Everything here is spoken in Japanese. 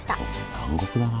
南国だな。